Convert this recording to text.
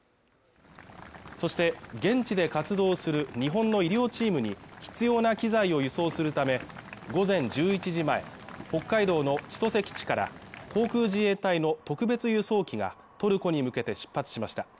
そして現地で活動する日本の医療チームに必要な機材を輸送するため午前１１時前北海道の千歳基地から航空自衛隊の特別輸送機がトルコに向けて出発しました